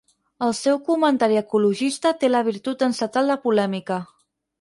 El seu comentari ecologista té la virtut d'encetar la polèmica.